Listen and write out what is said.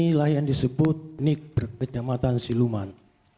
inilah yang disebut nik kecamatan siluman